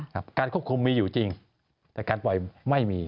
การควบคุมมีอยู่จริงแต่การปล่อยไม่มี